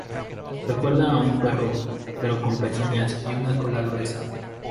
Recuerdan a un perro, pero con pezuñas y una cola gruesa.